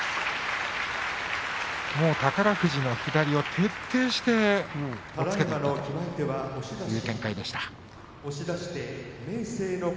宝富士の左を徹底して押っつけていったという展開でした。